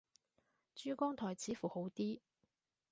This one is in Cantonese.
珠江台似乎好啲